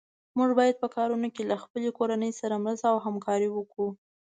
موږ باید په کارونو کې له خپلې کورنۍ سره مرسته او همکاري وکړو.